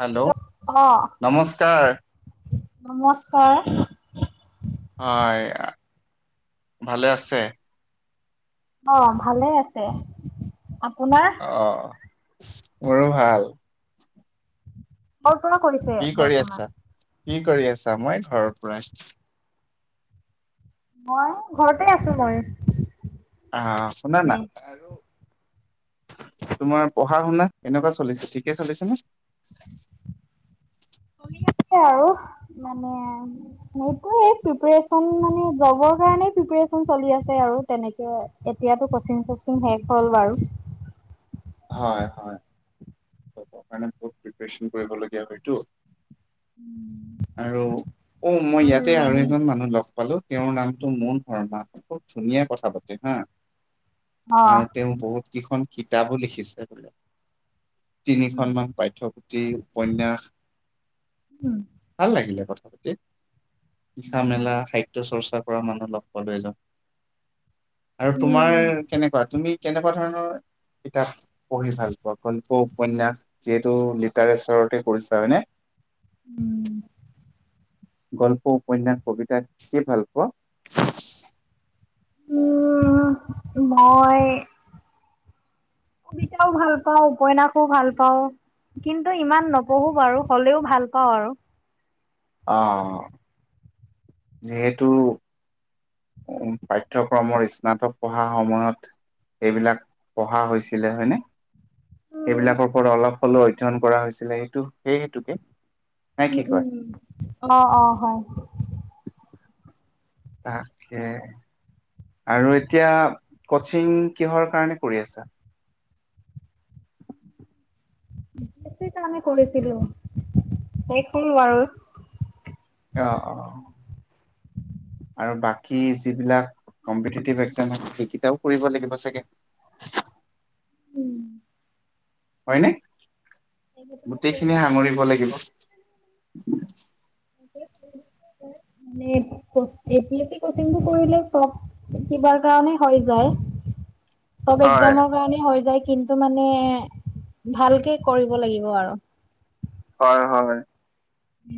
Hello, নমস্কাৰ। নমস্কাৰ হয় ভালে আছে? অ', ভালে আছে। আপ অ' মোৰো ভাল। কৰ পৰা কৰিছে কি কৰি বৰ্তমান আছা, কি কৰি আছা? মই ঘৰৰ পৰাই মই ঘৰতে আছোঁ মই। অ', শুনানা, এনেই আৰু তোমাৰ পঢ়া-শুনা কেনেকুৱা চলিছে ঠিকে চলিছে নে? পঢ়ি আ সেয়া আৰু মানে হেটোৱে প্ৰিপেৰেচন মানে জবৰ কাৰণে প্ৰিপে এখন চলি আছে আৰু তেনেকে, এতিয়াতো কচিং-চচিং শেষ হ'ল বাৰু। [inaudible] হয়, হয় জব কাৰণে বহুত প্ৰিপেচন কৰিবলগীয়া হয়তো। আৰু অ' মই ইয়াতে আৰু এজন মানুহ লগ পালো তেওঁৰ নামটো মুন শৰ্মা। খুব ধুনীয়া কথা পাতে হা। অ আৰু তেওঁ বহুত কিখন কিতাপো লিখিছে বোলে। উম তিনিখনমান পাঠ্যপুথি, উপন্যাস। ভাল লাগিলে কথ লিখা, মেলা সাহিত্য চৰ্চা কৰা মানুহ লগ পালোঁ এজন। আৰু তোমাৰ উম কেনেকুৱা? তুমি কেনেকুৱা ধৰণৰ কিতাপ পঢ়ি ভাল পোৱা। গল্প, উপন্যাস যিহেতু লিটাৰেচাৰতে পঢ়িছা হয়নে? উম। গল্প, উপন্যাস, কবিতা কি ভাল পোৱা? উম, মই কবিতাও ভাল পাওঁ উপন্যাসো ভাল পাওঁ কিন্তু ইমান নপঢ়ো বাৰু হ'লেও ভাল পাওঁ আৰু অ' যিহেতু উ পাঠ্যক্ৰমৰ স্নাতক পঢ়া সময়ত এইবিলাক পঢ়া হৈছিলে হয়নে উম এইবিলাকৰ ওপৰত অলপ হ'লেও অধ্যয়ন কৰা হৈছিলে এইটো সেইহেতুকে উম উম অ অ হয় তাকে। আৰু এতিয়া কচিং কিহৰ কাৰণে কৰি আছা আমি কৰিছিলোঁ, সেইখন বাৰু অ অ আৰু বাকী যিবিলাক কম্পিটিটিভ একজাম সেইকেইটাও কৰিব লাগিব চাগে। [unintelligible] হয়নে? গোটেইখিনি সাঙুৰি কব লাগিব মানে এ পি এি কচিং কৰিলে চব কিবাৰ কাৰণে হৈ যায় টপ হয় এক্জামৰ কাৰণে হৈ যায় কিন্তু মানে, ভালকে কৰিব লাগিব আৰু। হয় হয়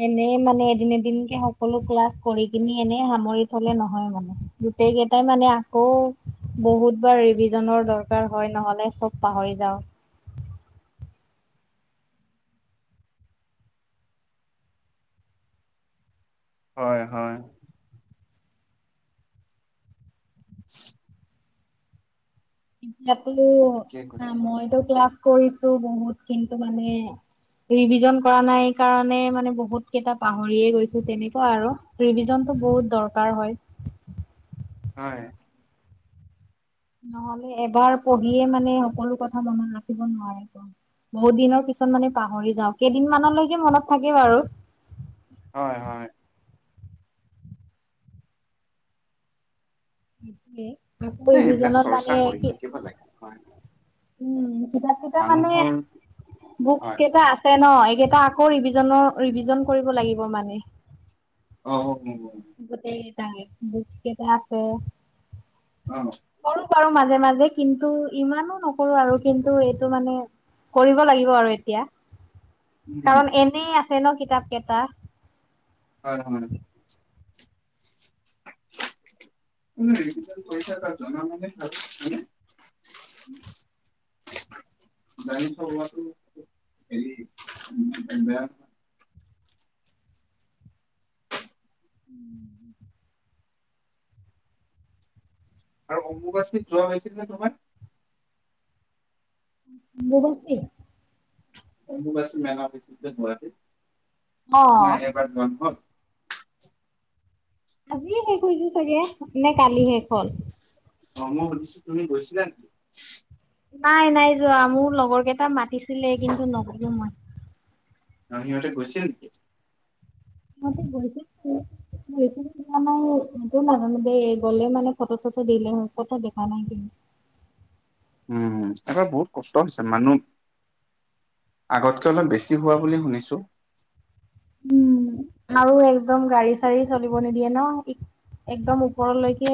এনেই মানে এদিন, এদিনকে সকলো ক্লাছ কৰি কিনি এনেই সামৰি থ'লে নহয় মানে। গোটেই কেইটাই মানে আকৌ বহুত বাৰ ৰিভিজনৰ দৰকাৰ হয় নহলে চব পাহৰি য যাওক [unintelligible] হয়, হয়। [unintelligible] ঠিকে কৈছে [unintelligible] মইতো ক্লাছ কৰিছোঁ বহুত, কিন্তু মানে ৰিভিজন কৰা নাই কাৰণে মানে বহুত কেইটা পাহৰিয়ে গৈছোঁ, তেনেকুৱা আৰু ৰিভিজন বহুত দৰকাৰ হয়। [unintelligible] হয়। নহ'লে, এবাৰ পঢ়িয়ে মানে সকলো কথা মনত ৰাখিব নোৱাৰিব। বহুত দিনৰ পিছত মানে পাহৰি যাওঁ কেইদিনমানলৈকে মনত থাকে বাৰু হয়, হয়। আকৌ এই এইবিলাক ৰিভিজনত চৰ্চা মানে কৰি কি থাকিব লাগে হয় উম, কিতাপকিটা মানে, মানুহৰ বুকচ হয় কেইটা আছে ন? এইকেইটা আকৌ ৰিভিজনৰ ৰিভিজন কৰিব লাগিব মানে অ'। উম গোটেইকেইটায়ে বুকচ কেইটা আছে। অ'। কৰো মাজে, মাজে কিন্তু ইমানো নকৰোঁ আৰু কিন্তু এইটো মানে কৰিব লাগিব আৰু এতিয়া। কাৰণ এনে আছে ন কিতাপ কেইটা হয় হয় [unintelligible] [unintelligible] [unintelligible] [inaudible] আৰু অম্বুবাচিত যোৱা হৈছিল নে তোমাৰ। [unintelligible] নাই এইবাৰ অ যোৱা নহল। আজিয়ে শেষ হৈছে চাগে নে কালিয়ে শেষ হ'ল। অম্বুবাচীত তুমি গৈছিলা নেকি। নাই -নাই যোৱা মোৰ লগৰ কেইটা মাতিছিলে কিন্তু নগ'লো মই। মামিহতে গৈছিল নেকি। মই গৈছোৱা নাই সেইটো মানু গ'লে মানে ফটো চ [unintelligible] দিলেও ফটো দেখা নাই। উম, এবাৰ বহুত কষ্ট হৈছে মানুহ আগতকে অলপ বেছি হোৱা বুলি শুনিছো। উম আৰু একদম গাড়ী চাড়ী চলিব নিদিয়ে ন। একদম ওপৰলৈকে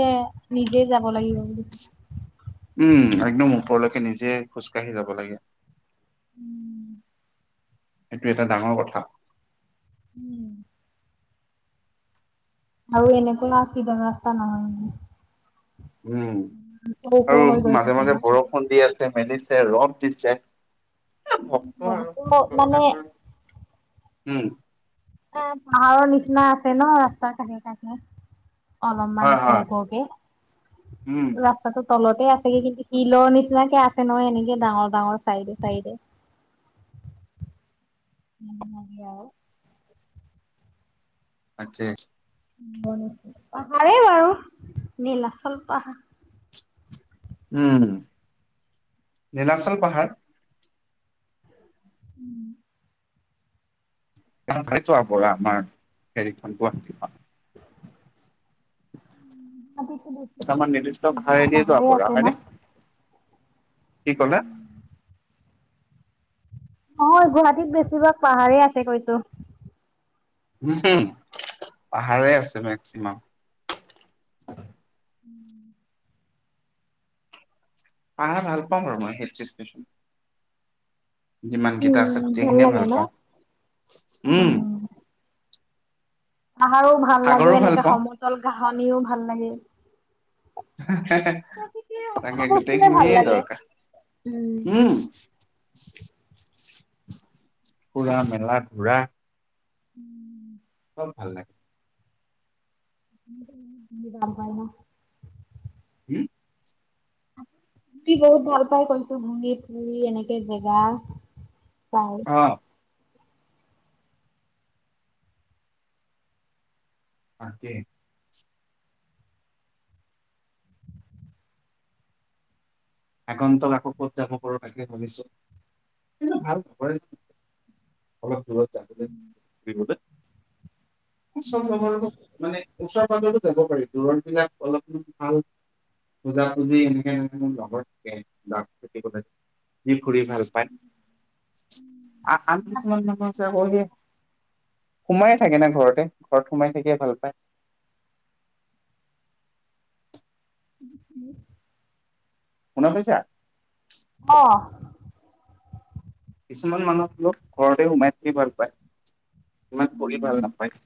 নিজেই যাব লাগিব বুলি। উম, একদম ওপৰলৈকে নিজে খোজকাাঢ়ি যাব লাগে। [inaudible] এইটো এটা ডাঙৰ কথা। উম। আৰু এনেকুৱা কিবা এটা নহয়। উম, ওখ আৰু হৈ গৈ মাজে- থাকে মাজে ন বৰষুণ দি আছে মেলিছে ৰদ দিছে। ভক্ত আৰু আকৌ ভক্ত মানে বিলাকৰ উম। এ পাহাৰৰ নিচিনা আছে ন ৰাস্তাৰ কাষে - কাষে। অলপমান হয় ওখ - হয় ওখকে উম ৰাস্তাটো তলতে আছেগে কিন্তু শিলৰ নিচিনাকে আছে নহয় এনেকে ডাঙৰ- ডাঙৰ, চাইডে- চাইডে। [inaudible] [unintelligible] তাকে। পাহাৰেই বাৰু নীলাচল পাহাৰ। উম নীলাচল পাহাৰ। উম, টান পাইছোঁ আমাৰ হেৰিখন গুৱাহাটীখন। গুৱাহাটীতো বেছিভাগ দুটামান নিৰ্দিষ্ট ভাৰ দি যোৱা পাহাৰে পঢ়া আছে ন? হয়নে। কি ক'লে? অ, গুৱাহাটীত বেছিভাগ পাহাৰেই আছে কৈছো। উমহ, পাহাৰে আছে মেক্সিমাম। পাহাৰ ভাল পাওঁ বাৰু মই। যিমান কেইটা আছে উম, গোটেইখিনিয়েও ভাল পাওঁ উম। আমাৰো ভাল সাগৰো লাগে ভাল এনেকে পাওঁ সমতল ঘাহনিও ভাল লাগে। প্ৰকৃতিৰ সকলো তাকে বস্তুৱে ভাল গোটেইখিনিয়ে লাগে। দৰকাৰ। উম, ঘূৰা মেলা ঘূৰা। [inaudible] চব ভাল লাগে। [unintelligible] উম। সি বহুত ভাল পাই কৈছো ঘুৰি ফুৰি এনেকে জেগাৰ পাই। অ তাকে। আগন্তক আকৌ কত যাব পাৰো থাকে ভাবিছো। ভাল খ অলপ [unintelligible] বিহু চ মানে ওচৰ পাজ [unintelligible] যাব পাৰি দূৰত বিলাক অলপমান ভাল বুজা বুজি এনেকে এ মোৰ লগৰ থ কথা [unintelligible] ঘুৰি ভাল পায় আৰু আন কিছুমান মানুহ আছে আগৰে সোমায়ে থাকে না ঘৰতে ঘৰত সোমাই থাকিয়ে ভাল পায় [inaudible] উম। শুনা পাইছা অ'। কিছুমান মানুহ লোক ঘৰতে সোমাই থাকি ভাল পায় [inaudible] ইমান কৰি উম, ভাল নাপায়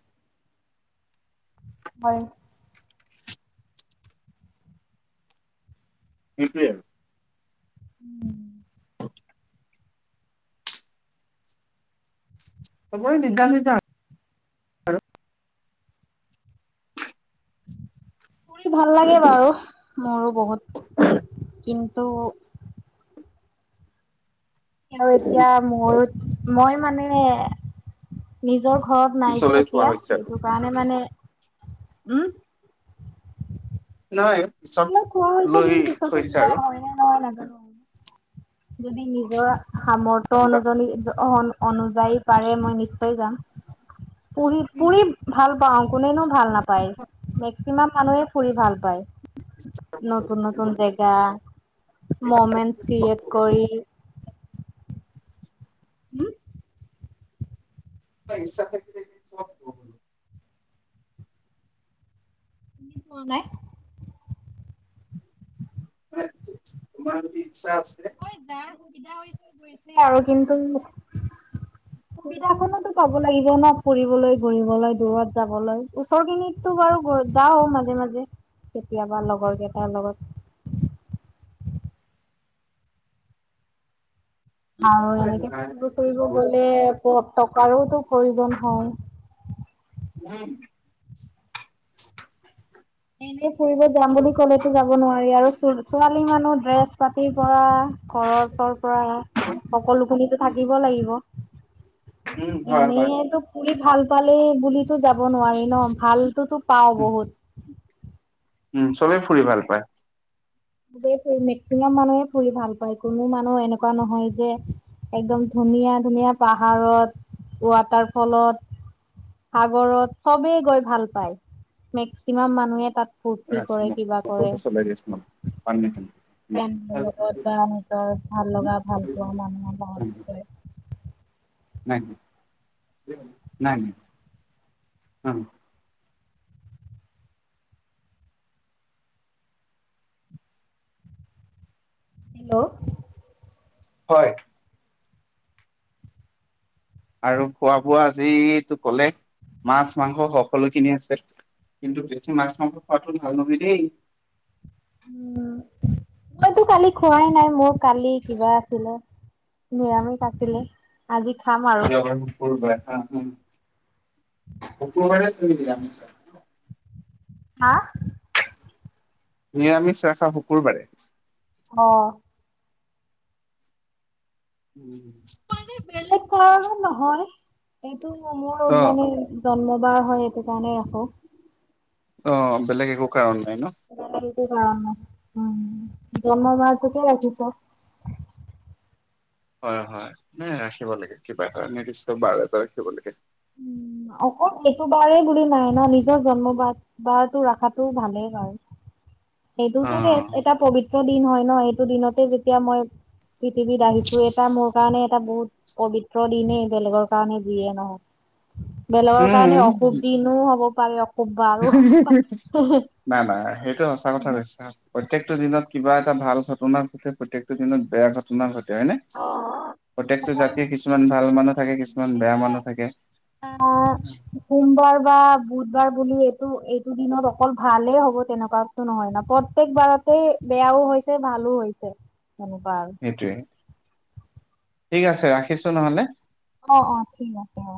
হয়। বিিক্ৰন [unintelligible] উম। [unintelligible] হব নিদা নিদা ফুৰি ভাল লাগে বাৰু মোৰো বহুত কিন্তু আৰু এতিয়া মোৰ মই মানে নিজৰ ঘৰত নাই যে পিছলৈ থোৱা এতিয়া হৈছে আৰু এইটো কাৰণে মানে উম। নাই চব এইবিলাক খোৱা হৈছে লৈ কিন্তু পিছতো থৈছে যোৱা আৰু হয় নে নহয় নাজানো। যদি নিজৰ সামৰ্থ ভাবিবা অনুজনী যায় পাৰে মই নিশ্চয় যাম পুৰিম পুৰিম ভাল পাওঁ কোনেনো ভাল নাপায় মেক্সিমাম মানুহে ফুৰি ভাল পায়। নতুন- নতুন জেগা মমেট ক্ৰেয়েট। কৰি। উম িা [unintelligible] এ প নে [unintelligible] তোমাৰ যি ইচ্ছা আছে [inaudible] হয় [unintelligible] গৈছে আৰু কিন্তু [inaudible] সুবিধা খনতো পাব লাগিব ন ফুৰিবলৈ ঘূৰিবলৈ, দূৰত যাবলৈ ওচৰ কিনিতো বাৰু যাও মাজে মাজে কেতিয়াবা লগৰ কেইটাৰ লগত [inaudible] উম আৰু এনেকে ফুৰিব ঘূৰিব গলে প টকাৰোতো প্ৰয়োজন হয়। উম এনে ফুৰিব যাম বুলি ক'লেতো যাব নোৱাৰি আৰু ছো-ছোৱালী মানুহ ড্ৰেছ পাতিৰ পৰা ঘৰৰ পৰা সকলো খিনিতো থাকিব লাগিব হয় হয় এনেইটো পুৰি ভাল পালে বুলিতো যাব নোৱাৰি ন ভালতোতো পাও বহুত উম, চবেই ফুৰি ভাল পায়। খুবেই ফুৰি মেক্সিমাম মানুহে ফুৰি ভাল পায় কোনো মানুহ এনেকুৱা নহয় যে একদম ধুনীয়া ধুনীয়া পাহাৰত, ৱাটাৰ ফলত সাগৰত চবেই গৈ ভাল পায়, মেক্সিমাম মানুহে তাত ফূৰ্তি কৰে কিবা কৰে চলাই দি আছো [unintelligible] ভাল ন। লগা ভাল পোৱা মানুহৰ লগত [inaudible] নাই নাই নাই নাই অ হেল্ল' হয়। আৰু খোৱা বোৱা আজো ক'লে মাছ মাংস সকলোখিনি আছে কিন্তু বেছি মাছ মাংস খোৱা টো ভাল নহয় দেই উম মইতো কালি খোৱাই নাই মোৰ কালি কিবা আছিলে নিয়মেই কতিিলে [unintelligible] অ অকবাৰে দ য হা, নিৰামিষ ৰখা শুকুৰবাৰে আহ, উম। বেলেগ কাৰণ নহয় এইটো মোৰ অ মানে জন্ম বাৰ হয় সেইটো কাৰণে ৰাখো অ বেলেগ একো কাৰণ নাই ন অ উ, জন্ম মটো বাৰ টোকে হয় হয় ন ৰাখিব লাগে কিবা এটা নিৰ্দিষ্ট বাৰ এটা ৰাখিব লাগে উম অকল এইটো বাৰেই বুলি নাই ন নিজৰ জন্ম বাৰ বটো ৰখাতটো ভালেই ব [unintelligible] অ এইটোতো এটা পবিত্ৰ দিন হয় ন এইটো দিনতে যেতিয়া মই পৃথিৱীত আহিছো এটা মোৰ কাৰণে এটা বহুত পবিত্ৰ দিনেই বেলেগৰ কাৰণে যিয়ে নহয় বেলেগৰ কাৰণে অশুভ দিনো হ'ব পাৰে অশুভ বাৰো হ'ব পাৰে। ন, না সেই স সঁচা কথা কৈছা প্ৰত্যয়কটো দিনত কিবা এটা ভাল ঘটনাৰ হৈছে প্ৰত্যেকটো দিনত বেয়া ঘটনা হয় ন প্ৰত্যেকটো জাতিৰ কিছুমান ভাল মানুহ থাকে কিছুমান বেয়া মানুহ থাকে আ সোমবাৰ বা বুধবাৰ বুলি এইটো দিনত অকল ভালেই হ'ব তেনেকুৱাতো নহয় ন প্ৰত্্যেক বাৰতে বেয়াও হৈছে ভাল ভালো হৈছে মনেুৱাৰ সেইটোয়ে ঠিক আছে ৰাখিছো নহলে অ', অ', ঠিক আছে অ',।